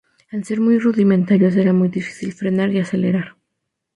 Al ser muy rudimentarios era muy difícil frenar, y acelerar.